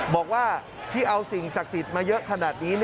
บอกว่าที่เอาสิ่งศักดิ์สิทธิ์มาเยอะขนาดนี้